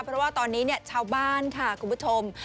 เพราะว่าตอนนี้ชาวบ้านค่ะคุณผู้ชม